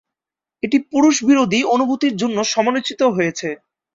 এটি পুরুষ বিরোধী অনুভূতির জন্য সমালোচিত হয়েছে।